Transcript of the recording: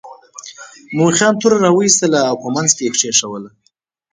مومن خان توره را وایستله او په منځ یې کېښووله.